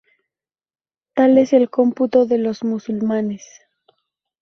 Tal es el cómputo de los musulmanes.